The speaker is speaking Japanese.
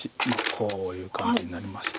こういう感じになりまして。